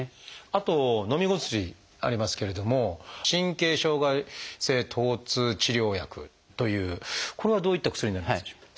あとのみ薬ありますけれども神経障害性とう痛治療薬というこれはどういった薬になりますでしょうか？